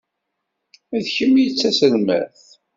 D kemm ay d taselmadt.